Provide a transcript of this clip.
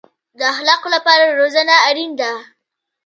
د اخلاقو لپاره روزنه اړین ده